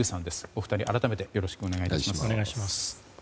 お二人、改めてよろしくお願いします。